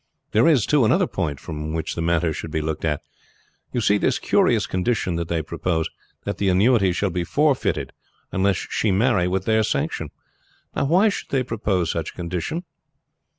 There is, too, another point from which the matter should be looked at. You see this curious condition that they propose, that the annuity shall be forfeited unless she marry with their sanction. Why should they propose such a condition?"